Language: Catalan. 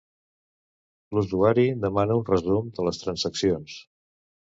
L'usuari demana un resum de les transaccions.